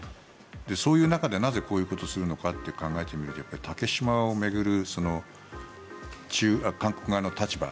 そういう中でなぜこういうことをするのかと考えると竹島を巡る韓国側の立場